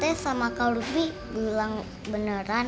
pak rt sama kak luffy bilang beneran